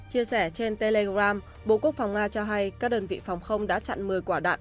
chia sẻ trên telegram bộ quốc phòng nga cho hay các đơn vị phòng không đã chặn một mươi quả đạn